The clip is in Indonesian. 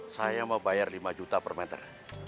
saya mau bayar lima juta per meter